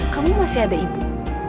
kamu masih ada ibu